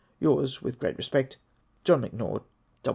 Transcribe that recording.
Yours, with great respect, John M'Naught.